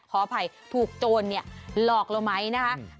ขออภัยถูกโจรหลอกเราไหมนะคะ